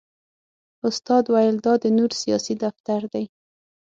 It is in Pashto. استاد ویل دا د نور سیاسي دفتر دی.